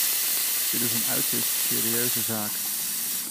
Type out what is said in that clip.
Dit is een uiterst serieuze zaak.